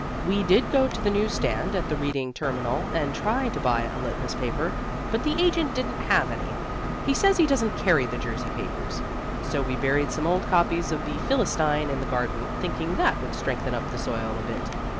We did go to the newsstand at the Reading Terminal and try to buy a Litmus paper, but the agent didn't have any. He says he doesn't carry the Jersey papers. So we buried some old copies of the Philistine in the garden, thinking that would strengthen up the soil a bit.